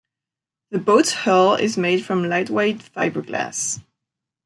The boat's hull is made from lightweight fiberglass.